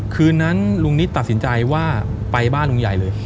คืนนั้นลุงนิดตัดสินใจว่าไปบ้านลุงใหญ่เลย